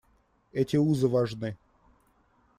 Эти узы важны.